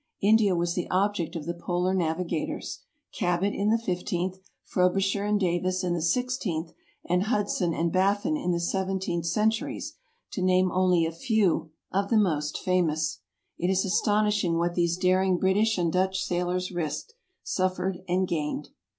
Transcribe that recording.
India was the object of the polar navi gators— Cabot in the fifteenth, Frobisher and Davis in the sixteenth, and Hudson and Baffin in the seventeenth centu ries, to name only a few of the most famous. It is astonish ing what these daring British and Dutch sailors risked, suffered, and gained.